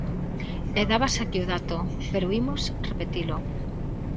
E dábase aquí o dato, pero imos repetilo.